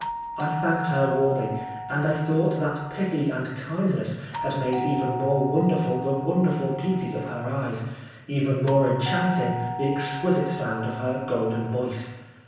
I thanked her warmly, and I thought that pity and kindness had made even more wonderful the wonderful beauty of her eyes, even more enchanting, the exquisite sound of her golden voice.